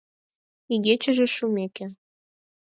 Игечыже шумеке